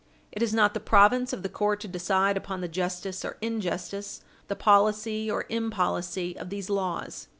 It is not the province of the court to decide upon the justice or injustice, the policy or impolicy, of these laws.